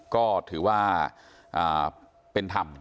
ก็ถือว่าเป็นธรรม